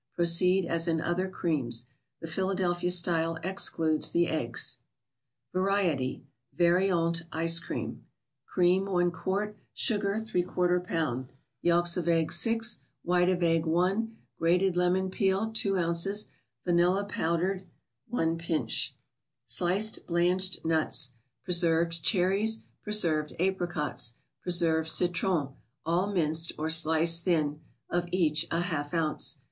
Proceed as in other creams. The Philadelphia style excludes the eggs. J&arieti? (©auaitte) icecream. Cream, 1 qt.; Sugar, X lb.; ICE CREAMS. 37 Yelks of eggs, 6; White of egg, i ; Grated Lemon peel, 2 oz.; Vanilla, powdered, 1 pinch. Sliced blanched nuts, preserved cherries, preserved ap¬ ricots, preserved citron (all minced, or sliced thin), of each a half ounce.